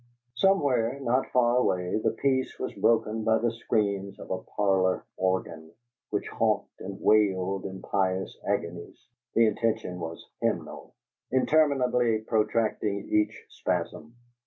Somewhere, not far away, the peace was broken by the screams of a "parlor organ," which honked and wailed in pious agonies (the intention was hymnal), interminably protracting each spasm.